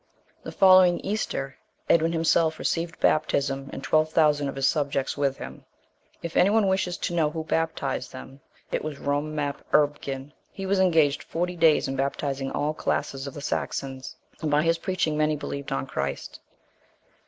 The following Easter Edwin himself received baptism, and twelve thousand of his subjects with him. If any one wishes to know who baptized them, it was Rum Map Urbgen:* he was engaged forty days in baptizing all classes of the Saxons, and by his preaching many believed on Christ.